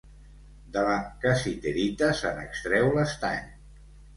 De la cassiterita se n'extreu l'estany.